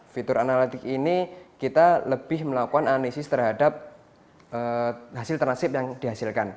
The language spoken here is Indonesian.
fitur analitik ini kita lebih melakukan analisis terhadap hasil transip yang dihasilkan